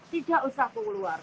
tidak usah keluar